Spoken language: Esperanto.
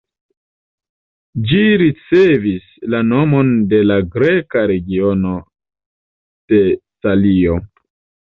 Ĝi ricevis la nomon de la greka regiono Tesalio.